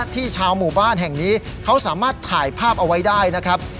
ที่ชาวหมู่บ้านแห่งนี้เขาสามารถถ่ายภาพเอาไว้ได้นะครับ